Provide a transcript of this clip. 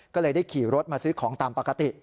ก็เลยได้ขี่รถมาซื้อของตามปกติ